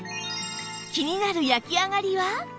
気になる焼き上がりは